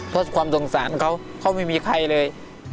เพราะความสงสารเขาเขาไม่มีใครเลย